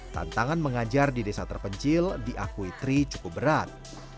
tantangan mengajar di desa terpencil diakui tri cukup berat